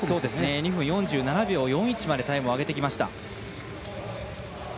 ２分４７秒４１までタイムを上げてきました。